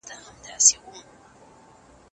وروسته {ذَالِكَ الْكِتَابُ لاَ رَيْبَ فِيهِ} ذکر سوي دي.